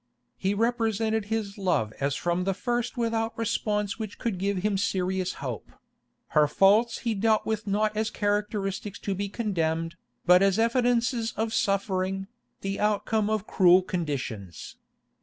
He represented his love as from the first without response which could give him serious hope; her faults he dealt with not as characteristics to be condemned, but as evidences of suffering, the outcome of cruel conditions.